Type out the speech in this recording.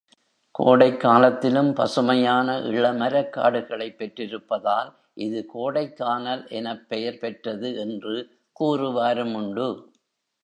கோடைக் காலத்திலும் பசுமையான இளமரக்காடுகளைப் பெற்றிருப்பதால், இது கோடைக்கானல் எனப் பெயர் பெற்றது என்று கூறுவாருமுண்டு.